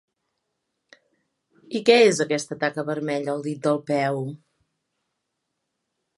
I què és aquesta taca vermella al dit del peu?